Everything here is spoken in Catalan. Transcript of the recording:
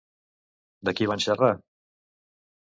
De qui van xerrar?